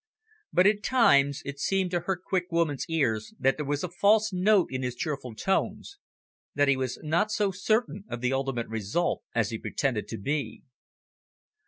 But at times it seemed to her quick woman's ears that there was a false note in his cheerful tones, that he was not so certain of the ultimate result as he pretended to be.